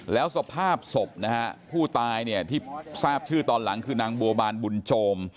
แล้วสภาพศพนะฮะผู้ตายเนี่ยที่ทราบชื่อตอนหลังคือนางบัวบานบุญโจม